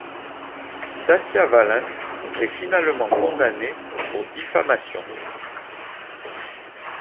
Dacia Valent est finalement condamnée pour diffamation.